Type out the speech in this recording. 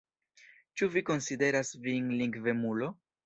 Ĉu vi konsideras vin lingvemulo?